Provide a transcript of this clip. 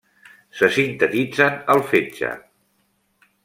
Se sintetitzen al fetge.